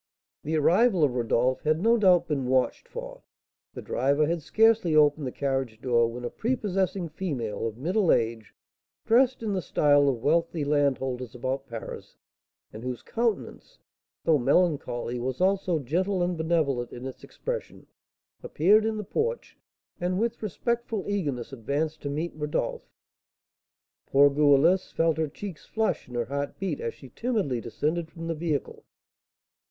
The arrival of Rodolph had, no doubt, been watched for; the driver had scarcely opened the carriage door when a prepossessing female, of middle age, dressed in the style of wealthy landholders about Paris, and whose countenance, though melancholy, was also gentle and benevolent in its expression, appeared in the porch, and with respectful eagerness advanced to meet Rodolph. Poor Goualeuse felt her cheeks flush and her heart beat as she timidly descended from the vehicle.